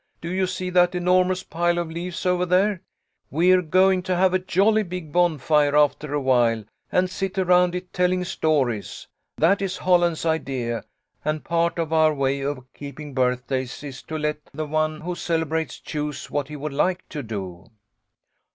Do you see that enormous pile of leaves over there ? We're going to have a jolly big bonfire after awhile, and sit around it telling stories. That is Holland's idea, and part of our way of keeping birthdays is to let the one who celebrates choose what he would like to do."